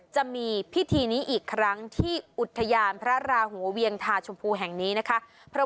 จะมีพิธีนี้อีกครั้งที่อุทยานพระราหูเวียงทาชมพูแห่งนี้นะคะ